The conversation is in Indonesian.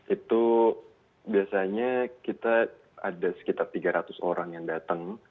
itu biasanya kita ada sekitar tiga ratus orang yang datang